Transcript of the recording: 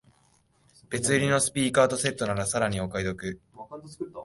別売りのスピーカーとセットならさらにお買い得